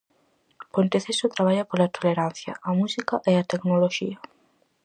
Ponteceso traballa pola tolerancia, a música e a tecnoloxía.